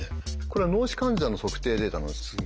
これは脳死患者の測定データなんです。